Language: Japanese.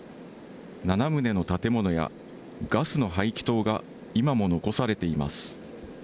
７棟の建物やガスの排気塔が今も残されています。